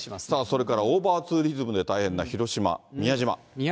それからオーバーツーリズムで大変な広島・宮島。